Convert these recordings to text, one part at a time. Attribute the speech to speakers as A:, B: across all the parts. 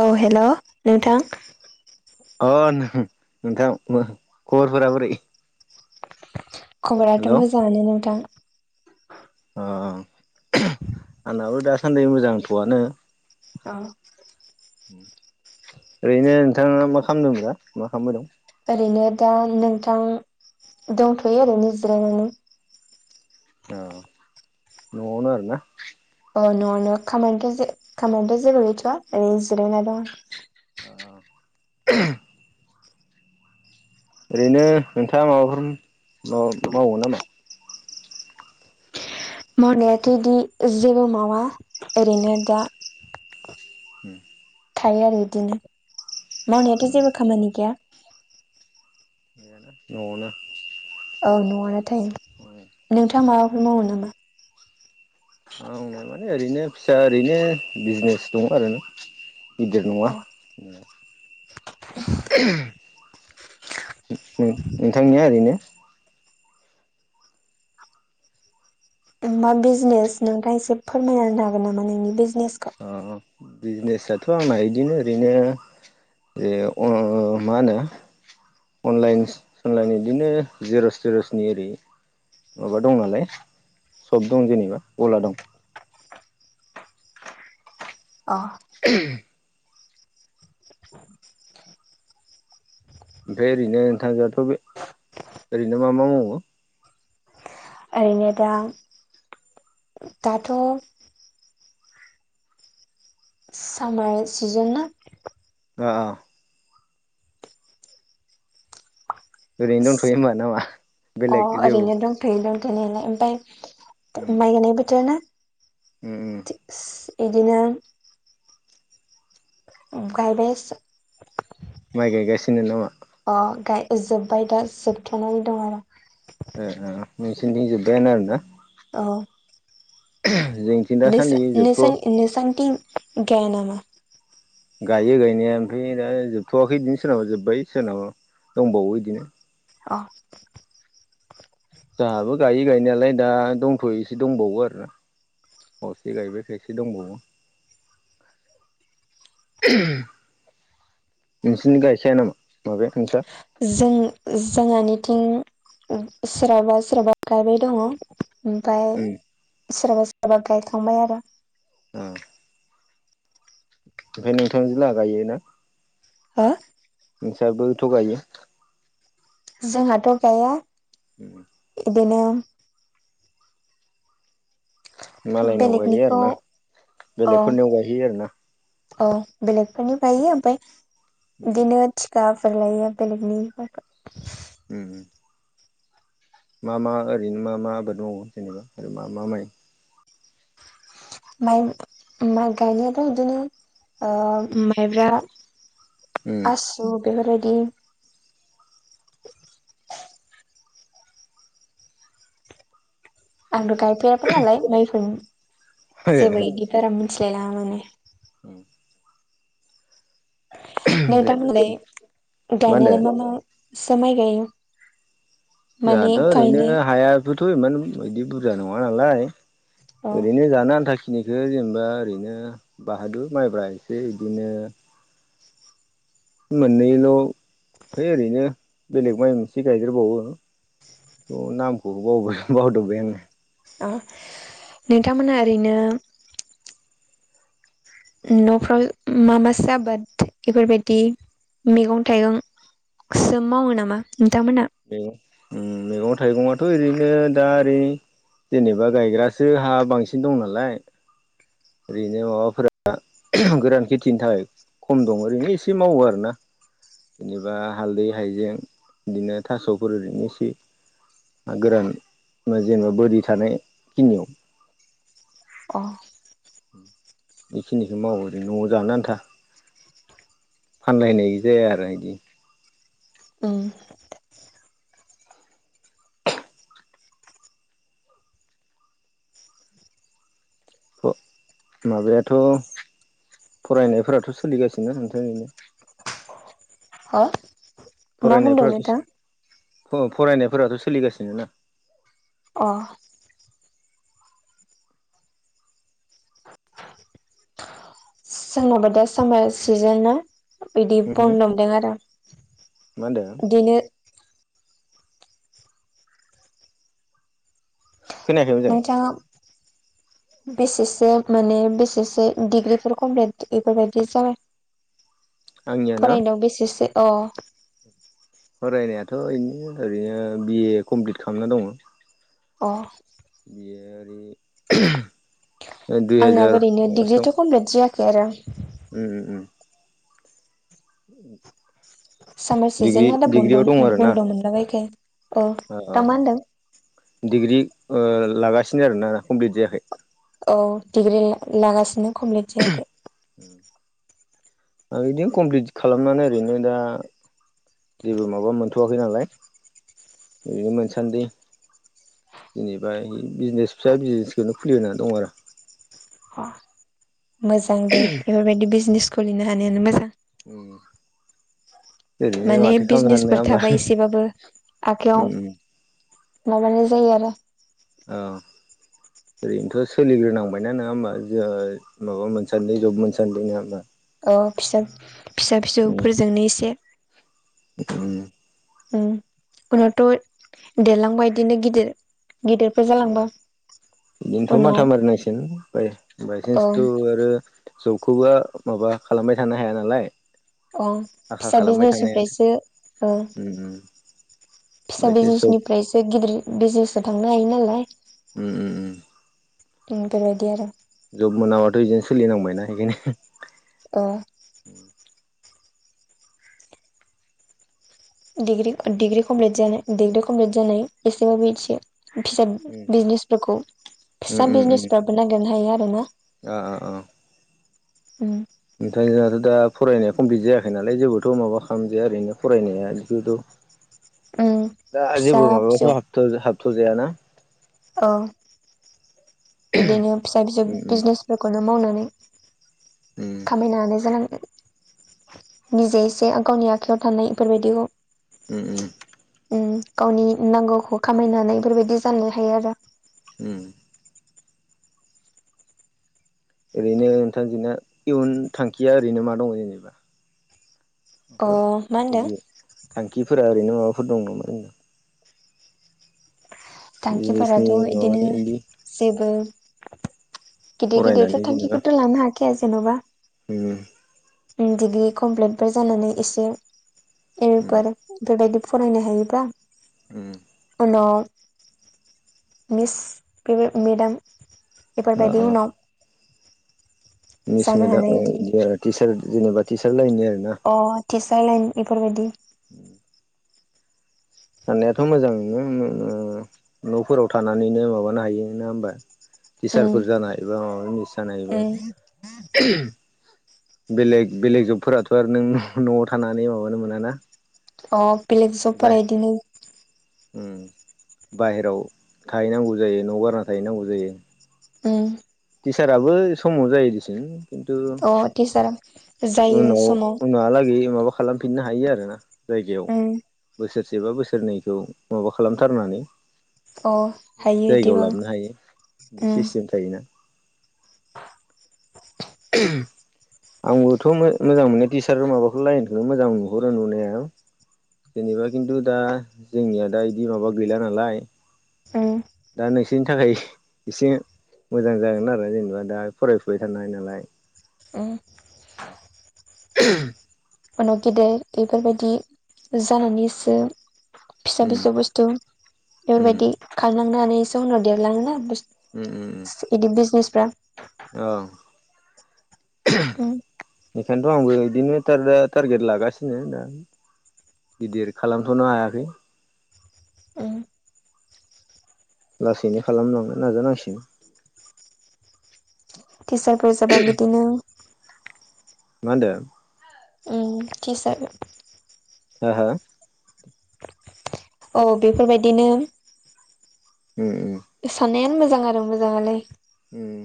A: औ हेल' नोंथां
B: अ नोंथां खबरफोरा बोरै
A: खबराथ'
B: हेल' अ
A: मोजांङानो नोंथां।
B: अ आंनाबो दासान्दि मोजांथ'आनो
A: औ
B: ओरैनो नोंथाङा मा खालामदों रा मा खालामबाय दं?
A: ओरैनो दा नोंथां दंथ'यो ओरैनो जिरायनानै
B: औ न'आवनो आरोना
A: औ न'आवनो खामानिथ' खामानिथ' जेबो गैथ'आ ओरै जिरायना दं।
B: अ ओरैनो नोंथाङा माबाफोर मा मावो नामा?
A: मावनायाथ'दि जेबो मावा ओरैनो दा
B: [inaudible]
A: थायो आरो बिदिनो मावनायाथ' जेबो खामानि गैया।
B: न'आवनो
A: औ न'आनो थायो नोंथाङा माबाफोर मावो नामा?
B: मावनाय माने आरैनो फिसा ओरैनो बिजनेस दङ आरो ना। गिदिर नङा।
A: अ
B: नोंथांनिया ओरैनो
A: मा बिजनेस नोंथाङ एसे फोरमायां हागोन नामा नोंनि बिजनेसखौ?
B: अ बिजनेसथ' आंना बिदिनो ओरैनो जे अ मा होनो अनलाइन सनलाइन बिदिनो जिर'स थिर'सनि ओरै माबा दं नालाय सप दं जेनेबा [unintelligible] दं।
A: अ
B: [inaudible] ओमफ्राय ओरैनो नोंथांजोंथ' बे ओरैनो मा मा मावो?
A: ओरैनो दा दाथ' सामार सिजना
B: अ ओरैनो दंथ'यो होमबा नामा?
A: अ
B: बेलेग जेबो
A: ओरैनो दं थैलनायालाय ओमफफ्राय माइ गनाय बोथोर ना
B: ओम ओम।
A: बिदिनो गायबाय
B: माइ गायगासिनो नामा?
A: अ गाय जोब्बाय दा जोबथनानै दं आरो।
B: ए ओ नोंसोरनिजोब्बायानो आरोना।
A: औ
B: जों
A: [unintelligible] नसानिथिं गयानामा?
B: गायो गायनाया ओमफ्राय दा जोबथ'वाखै बिदिनो सोरनाबा जोब्बाय सोरनाबा दंबावो बिदिनो।
A: अ
B: दाबो गायो गायनायालाय दा दंथ'योसो दंबावो आरो ना। अ एसे गायबाय खायसे दंबावो। उहुम नोंसिनि गायखाया नामा माबाया नोंसा
A: जों जोंहानिथिं ओ सोरहाबा सोरहाबा गायबाय दङ। ओमफ्राय
B: उम
A: सोरहाबा सोरहाबा गायखांबाय आरो
B: [inaudible] ओमफ्राय नोंथांजो लाहा गायो ना।
A: ओयो।
B: नोंसाबो थ' गायो।
A: जोंहाथ' गाया।
B: उम।
A: बेनोम।
B: मालायनाव गायो
A: बेलेगनिखौ
B: आरो ना
A: औ
B: बेलेगफोरनियाव गायहैयो आरोना।
A: औ बेलेगफोरनि गायो ओमफ्राय
B: उम
A: बिदिनो थिखाफोर लायो बेलेगनिफोरखौ
B: उम। मा मा ओरैनो मा मा आबाद मायो जेनेबा मा मा माइ
A: माइ माइ गायनायाथ' इदिनो ओयो माइब्रा
B: उम
A: आसु बेफोरबायदि [inaudible] आंथ' गायफेराबो नालाय माइफोरनि जेबो इदिबारा मिथिलायलांया माने।
B: औ। दे
A: नोंथांमोनलाय गायनायालाय मा मासो माइ गायो? माने
B: जोंहाथ' ओरैनो
A: गायनाय
B: हाया इबोथ इमान बिदि बुरजा नङा नालाय
A: अ
B: ओरैनो जानो आन्थाखि खिनिखौ जेनेबा ओरैनो बाहादु माइब्रा एसे बिदिनो। मोननैल' है ओरैनो बेलेग माइ मोनसे गायदेरबावो। अ नामखौबो बावबाय बावदोबबाय आंयो।
A: ओ नोंथांमोनहा ओरैनो न'फ्राव मा मासो आबाद इफोरबायदि मेगं थाइगं। सोम मावो नामा नोंथांमोनहा?
B: मैगं उम मैगं थाइगङाथ' ओरैनो दा ओरै जेनेबा गायग्रासो हा बांसिन दं नालाय। ओरैनो माबाफोरा गोरान खेथिनि थाखाय खम दं ओरैनो एसे मावो आरोना। इदिबा हालदै हायजें बिदिनो थास'फोर ओरैनो इसे। गोरान मो जेनेबा बोरि थानायखिनियाव।
A: अह।
B: [unintelligible]
A: [inaudible]
B: अ माबायाथ' फरायनायफोराथ' सोलिगासिनो नोंथां इनो।
A: [unintelligible]
B: फरायनायफोराथ' सो
A: नोंथां
B: फु फरायनायफोराथ' सोलिगासिनो ना।
A: अह। [unintelligible] बिदि
B: मा
A: बनदमदों आरो
B: होनदों
A: इदिनो।
B: खोनायाखै मोजाङै
A: नोंथाङाव
B: [inaudible]
A: [unintelligible]
B: आंनिया ना
A: फरायनायाव बेसेसो अ
B: फरायनायाथ' बिनो ओरैनो बिए कमप्लिट खालामना दङ
A: अ
B: बियो ओरै दुइ हाजार
A: आंनाबो ओरैनो डिग्रिथ' कमप्लिट जायाखै आरो
B: उम उम उम [inaudible]
A: सामार
B: डिग्रि
A: सिजेनादा
B: डिग्रियाव दङ आरो
A: बन्द'
B: ना
A: बन्द' मोनलाबायखो अ
B: अ अ
A: दा मा होनदों
B: डिग्रि ओ लागासिनो आरोना कमप्लिट जायाखै
A: औ डिग्रि लागासिनो कमप्लिट जायाखै
B: बिदिनो कमप्लिट खालामनानै ओरैनो दा जेबो माबा मोनथ'वाखै नालाय बिदिनो मोनसान्दि जेनेबा बिजिनेस फिसा बिजिनेसखौनो खुलिनानै दं आरो
A: अ मोजां दे बेफोरबायदि बिजनेस खुलिनो हानायानो मोजां
B: उम ओरैनो
A: माने
B: माथो खालामनो हानो नङा
A: बिजिनेसफोर
B: होमबा
A: थाबा एसेबाबो
B: उम
A: आखाइयाव
B: उम
A: माबानाय जायो आरो
B: ओं ओरैनोथ' सोलिग्रोनांबायना नोङा होमबा जों माबा मोनसान्दि जब मोनसान्दि नङा होमबा
A: अ फिसा फिसा
B: उम
A: फिसौफोरजोंनो एसे
B: उम
A: उम उनावथ' देरलांबा बिदिनो गिदिर गिदिर
B: बिदिनोथ' माथा मारिनांसिगोन बाय
A: औ
B: बायसान्सथ' आरो जबखौबो माबा खालामबाय थानो हाया नालाय
A: अ
B: आखा
A: फिसा
B: खालामबाय थानो हायाना
A: बिजिनेसनिफ्रायसो ओ
B: उम उम
A: फिसा
B: बायसान्स जब
A: बिजिनेसनिफ्रायसो गिदिर बिजिनेसाव थांनो हायो नालाय
B: उम उम उम
A: उम बेबायदि आरो
B: जब मोनाबाथ' बिदिनो सोलिनांबायना बेखायनो
A: ओ डिग्रि डिग्रि कमप्लिट जानाय डिग्रि कमप्लिट जानाय एसेबाबो एसे फिसा बिजिनेसफोरखौ फिसा बिजिनेसफोराबो नागिरनो हायो आरोना
B: आ आ आ
A: उम
B: ओमफ्राय जोंहाथ' दा फरायनाया कमप्लिट जायाखै नालाय जेबोथ' माबा खालामजाया ओरैनो फरायनाया बिबोथ'
A: उम
B: दा
A: फिसा
B: जेबो माबायावथ'
A: फिसौ
B: हाब हाबथ जाया ना
A: औ बिदिनो फिसा फिसौ
B: उम उम
A: बिजिनेसफोरखौनो मावनानै
B: उम
A: खामायनो हानाय जानांगोन निजे एसे गावनि आखायाव थानाय इफोरबायदिखौ
B: उम उम उम
A: गावनि नांगौखौ खामायनानै बेफोरबायदि जानो हायो आरो
B: उम ओरैनो नोंथां नोंना इयुन थांखिया ओरैनो मा दङ जेनेबा
A: अ
B: ओ
A: मा होनदों
B: इदि थांखिफोरा ओरैनो माबाफोर दं नामा नोंनाव बिजनेसनि
A: थांखिफोराथ' बिदिनो
B: माबानि इदि
A: जेबो गिदिर
B: फरायनानै
A: गिदिरफोर
B: जेनेबा
A: थांखिखौथ' लानो हायाखाया जेन'बा
B: उम
A: उम डिग्रि कमप्लिटफोर जानानै एसे एम ए
B: ओ
A: फोर बेफोरबायदि फरायनो हायोबा
B: उम
A: उनाव मिस बे मेदाम बेफोरबायदि
B: ओ
A: उनाव
B: मिस
A: जानो
B: मिडियाम
A: हानाय इदि
B: बिदि आरो टिचार जेनेबा टिचार लाइनि आरो ना।
A: अ टिचार लाइन इफोरबायदि
B: उ साननायाथ' मोजां न'फोराव थानानैनो माबानो हायो ना होमबा
A: उम
B: टिचारफोर जानाय एबा माबा मिनिस जानाय एबा
A: उम
B: बेलेग बेलेग जबफोराथ' आरो नों न'आव थानानै माबानो मोना ना
A: अ बेलेग जफोरा बिदिनो
B: बाहेरायाव थाहैनांगौ जायो न' बारना थाहैनांगौ जायो।
A: ओम
B: टिचाराबो समाव जायो दिसिम खिथु
A: अ टिचारा जायो
B: उनाव
A: समाव
B: उनहालागै माबा खालामफिननो हायो आरोना जायगायाव
A: उम
B: बोसोरसेबा बोसोरनैखौ माबा खालामथारनानै
A: अ हायो
B: जायगायाव
A: इदिबो
B: लाबोनो हायो बिदि
A: उम
B: सिस्टेम थायोना [unintelligible] आंबोथ' मोजां मोननाय टिचार माबाखौ लाइनखौनो मोजां नुहरो नुनाया। जेनेबा खिन्थु दा जोंनिया दा बिदि माबा गैला नालाय
A: औ
B: दा नोंसोरनि थाखाय एसे मोजां जागोन आरो जेनेबा दा फरायफुबाय थानो हायो नालाय।
A: ओ
B: [unintelligible]
A: उनाव गेदेर बेफोरबायदि जानानैसो फिसा
B: उम
A: फिसौ बुस्थु
B: उम
A: बेफोरबायदि खालामलांनोनानैसो उनाव देरलाङोना ब
B: उम उम
A: इदि बिजनेसफ्रा
B: औ
A: उम
B: बेनिखायथ' आंबो बिदिनो दा टारगेट लागासिनो दा गिदिर खालामथ'नो हायाखै
A: ओ
B: लासैनो खालामलांनो नाजानांसिगोन
A: टिचारफोर जाबा बिदिनो
B: [unintelligible]
A: जिसाग
B: ह ह
A: औ बेफोरबायदिनो
B: [unintelligible]
A: सानानायानो मोजां आरो मोजाङालाय
B: उम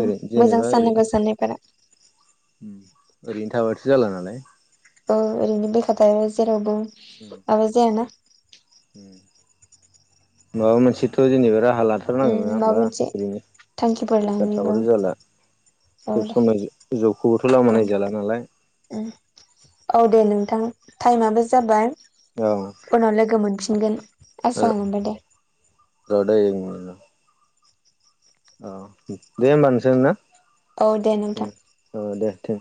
B: ओरै जेनेबा ओरै
A: साननांगौ साननायफोरा
B: ओरैनो थाबाथो जाला नालाय
A: औ ओरैनो बेखाथाय जेरावबो
B: उम
A: माबा जायाना
B: माबा मोनसेथ' जेनेबा राहा लादों। थाथारनांगोन नङा
A: उम माबा
B: होमबा
A: मोनसे
B: ओरैनो
A: थांखिफोर
B: बेखार
A: लानानैबो
B: थाबाथ' जाला
A: औ
B: सब
A: दे
B: समाय जबखौबोथ' लामा
A: औ
B: नायजाला नालाय
A: औ दे नोंथां टाइमाबो जाबाय
B: औ
A: उनाव लोगो मोनफिनगोन
B: र'
A: आसा खालामबाय दे
B: [unintelligible] औ दे होमबा नोंसोरा
A: औ दे नोंथां।
B: औ दे दे